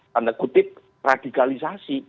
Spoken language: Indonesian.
tanda kutip radikalisasi